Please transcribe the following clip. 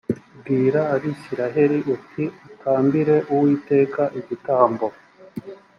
bwira abisirayeli uti utambire uwiteka igitambo